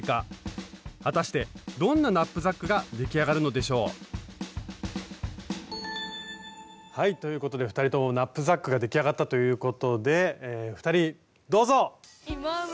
果たしてどんなナップザックが出来上がるのでしょうはい。ということで２人ともナップザックが出来上がったということで２人どうぞ！